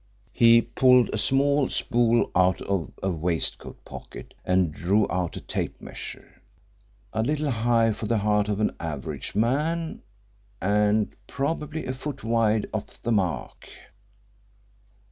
He pulled a small spool out of a waistcoat pocket and drew out a tape measure. "A little high for the heart of an average man, and probably a foot wide of the mark."